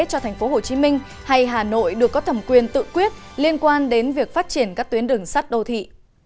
cho tp hcm hay hà nội được có thẩm quyền tự quyết liên quan đến việc phát triển các tuyến đường sắt đô thị